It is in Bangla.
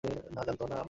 না, জানতো না।